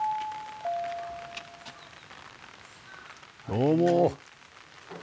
どうも。